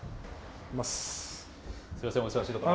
すいませんお忙しいところ。